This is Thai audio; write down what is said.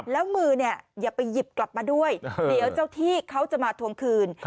แล้วมือเนี่ยอย่าไปหยิบกลับมาด้วยเดี๋ยวเจ้าที่เขาจะมาทวงคืน